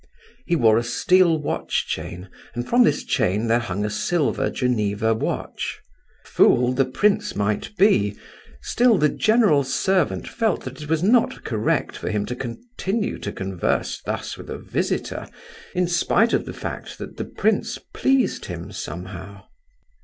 He wore a steel watch chain and from this chain there hung a silver Geneva watch. Fool the prince might be, still, the general's servant felt that it was not correct for him to continue to converse thus with a visitor, in spite of the fact that the prince pleased him somehow.